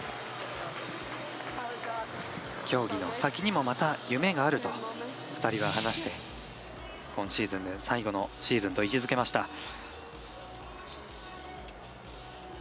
競技の先にも夢があると２人は話して今シーズン、最後のシーズンと位置づけました。